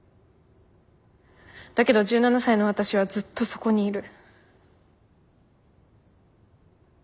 だけど１７才の私はずっとそこにいる。